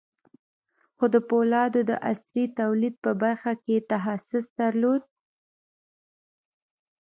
خو د پولادو د عصري توليد په برخه کې يې تخصص درلود.